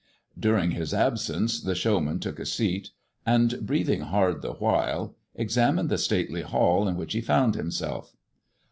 During his absence the showman took a seat, and breathing hard the while, examined the stately hall in which he found himself.